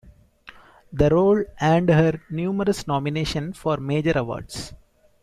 The role earned her numerous nominations for major awards.